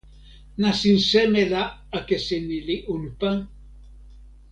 nasin seme la akesi ni li unpa?